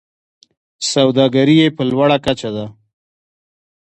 سوداګري یې په لوړه کچه ده.